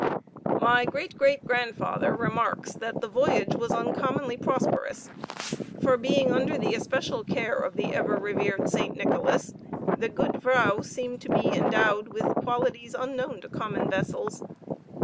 My great great grandfather remarks, that the voyage was uncommonly prosperous, for, being under the especial care of the ever revered St. Nicholas, the Goede Vrouw seemed to be endowed with qualities unknown to common vessels.